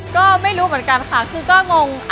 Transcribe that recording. ก็ไม่รู้เหมือนกันค่ะคือก็งง